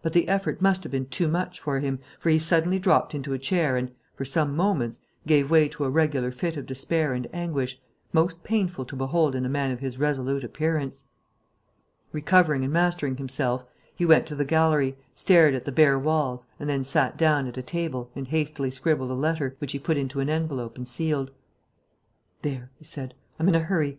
But the effort must have been too much for him, for he suddenly dropped into a chair and, for some moments, gave way to a regular fit of despair and anguish, most painful to behold in a man of his resolute appearance. Recovering and mastering himself, he went to the gallery, stared at the bare walls and then sat down at a table and hastily scribbled a letter, which he put into an envelope and sealed. "There," he said. "I'm in a hurry....